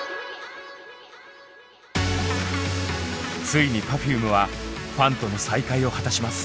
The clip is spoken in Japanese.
ついにＰｅｒｆｕｍｅはファンとの再会を果たします。